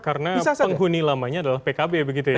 karena penghuni lamanya adalah pkb begitu ya